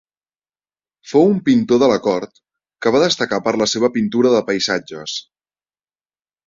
Fou un pintor de la cort que va destacar per la seva pintura de paisatges.